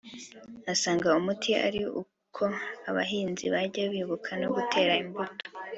Asanga umuti ari uko abahinzi bajya bibuka no gutera imbuto